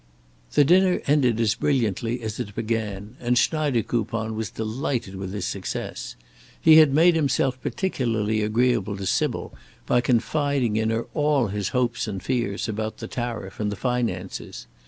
The dinner ended as brilliantly as it began, and Schneidekoupon was delighted with his success. He had made himself particularly agreeable to Sybil by confiding in her all his hopes and fears about the tariff and the finances.